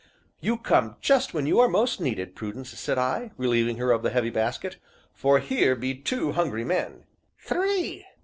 "You come just when you are most needed, Prudence," said I, relieving her of the heavy basket, "for here be two hungry men." "Three!"